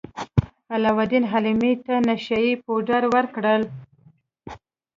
علاوالدین حلیمې ته نشه يي پوډر ورکړل.